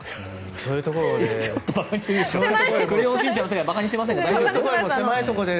そういうところで。